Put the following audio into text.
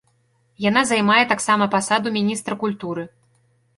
Яна займае таксама пасаду міністра культуры.